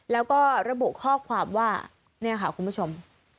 แล้วก็ระบุข้อความว่าเนี่ยค่ะคุณผู้ชม